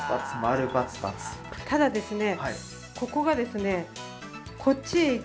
○××ただですね